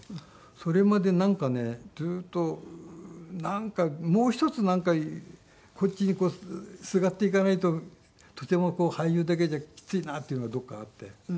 それまでなんかねずっともう一つなんかこっちにすがっていかないととても俳優だけじゃきついなっていうのがどこかあって。